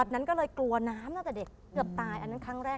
นั้นก็เลยกลัวน้ำตั้งแต่เด็กเกือบตายอันนั้นครั้งแรก